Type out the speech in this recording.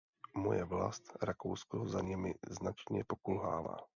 Moje vlast, Rakousko, za nimi značně pokulhává.